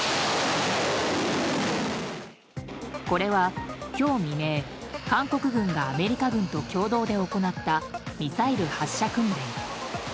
これは今日未明韓国軍がアメリカ軍と共同で行ったミサイル発射訓練。